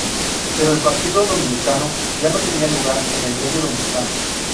Pero el Partido Dominicano ya no tenía lugar en el medio dominicano.